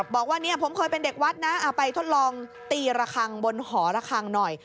บอกว่าเนี่ยผมเคยเป็นเด็กวัดนะไปทดลองตีระคังบนหอระคังหน่อย